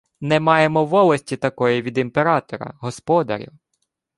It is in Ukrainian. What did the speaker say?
— Не маємо волості такої від імператора, господарю.